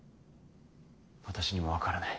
私にも分からない。